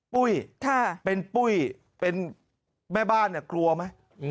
ปุ้ยเป็นปุ้ยเป็นแม่บ้านเนี่ยกลัวไหม